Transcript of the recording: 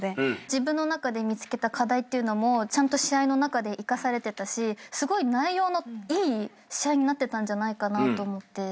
自分の中で見つけた課題っていうのもちゃんと試合の中で生かされてたしすごい内容のいい試合になってたんじゃないかなと思って。